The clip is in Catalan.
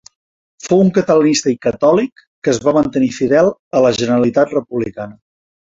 Fou un catalanista i catòlic que es va mantenir fidel a la Generalitat republicana.